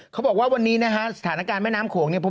เขาบอกว่าวันนี้นะฮะสถานการณ์แม่น้ำโขงเนี่ย